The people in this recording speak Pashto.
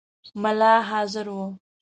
مُلا حاضر وو.